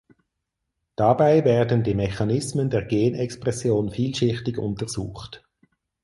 Dabei werden die Mechanismen der Genexpression vielschichtig untersucht.